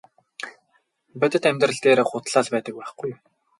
Бодит амьдрал дээр худлаа л байдаг байхгүй юу.